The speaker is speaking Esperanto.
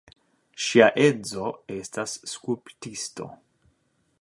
Ŝia edzo estas skulptisto.